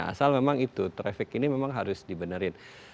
asal memang itu traffic ini memang harus dibenerin